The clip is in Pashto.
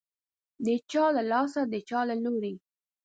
د چا له لاسه، د چا له لوري